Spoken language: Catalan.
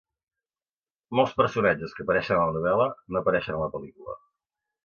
Molts personatges que apareixen a la novel·la no apareixen a la pel·lícula.